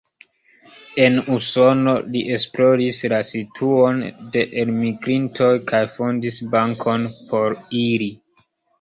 En Usono li esploris la situon de elmigrintoj kaj fondis bankon por ili.